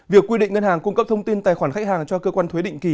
việc quy định ngân hàng cung cấp thông tin tài khoản khách hàng cho cơ quan thuế định kỳ